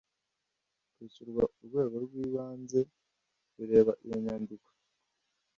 kwishyurwa urwego rw ibanze bireba iyo nyandiko